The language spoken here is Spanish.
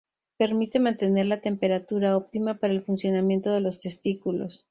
Permite mantener la temperatura óptima para el funcionamiento de los testículos.